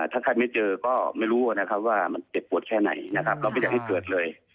ถ้าใครไม่เจอก็ไม่รู้ว่ามันเจ็บปวดแค่ไหนเราไม่ได้ให้เกิดเลย